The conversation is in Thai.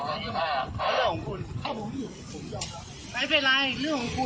ไม่เป็นไรเรื่องของคุณเรื่องของคุณผมไม่สอนหรอก